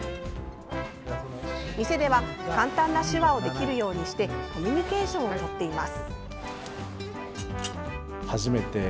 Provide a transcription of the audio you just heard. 店では簡単な手話をできるようにしてコミュニケーションをとっています。